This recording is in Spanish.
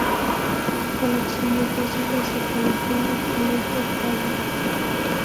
Su gran colección de fósiles se colocó en el Colegio Owens.